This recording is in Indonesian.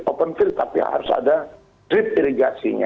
open field tapi harus ada drip irigasinya